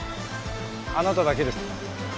あなただけです。